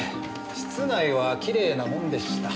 室内はきれいなもんでした。